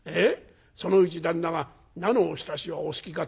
そのうち旦那が『菜のおひたしはお好きか？』